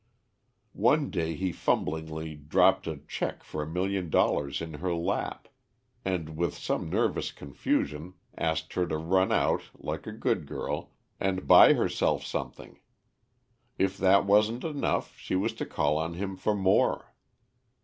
One day he fumblingly dropped a cheque for a million dollars in her lap, and, with some nervous confusion, asked her to run out, like a good girl, and buy herself something; if that wasn't enough, she was to call on him for more.